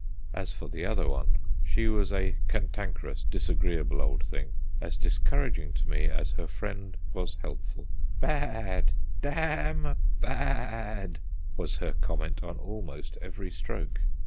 As for the other one, she was a cantankerous, disagreeable old thing, as discouraging to me as her friend was helpful. "Ba a ad, da a a m ba a a d!" was her comment on almost every stroke.